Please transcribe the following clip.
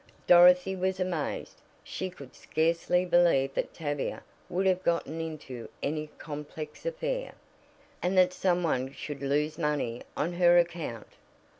Dorothy was amazed. She could scarcely believe that Tavia would have gotten into any complex affair. And that some one should lose money on her account!